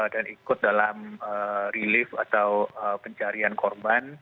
dan ikut dalam relief atau pencarian korban